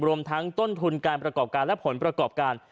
รวมทั้งต้นทุนการประกอบการและผลประกอบการ